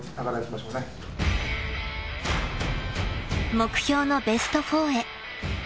［目標のベスト４へ］